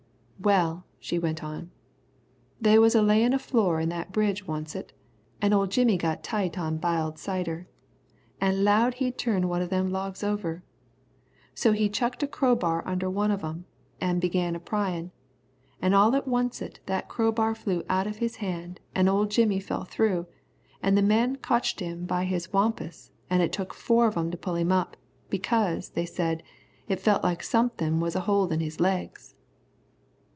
"Well," she went on, "they was a layin' a floor in that bridge oncet, an' old Jimmy got tight on b'iled cider, an' 'low'd he'd turn one of them logs over. So he chucked a crowbar under one of 'em an' begun a pryin', an' all at oncet that crowbar flew out of his hand an' old Jimmy fell through, an' the men cotched him by his wampus an' it took four of 'em to pull him up, because, they said, it felt like somethin' was a holdin' his legs."